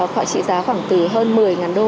trị giá khoảng từ hơn một mươi đô